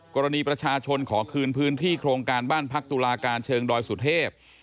กรณีประชาชนขอคืนพื้นที่โครงการบ้านพักตุลาการเชิงดอยสุเทพ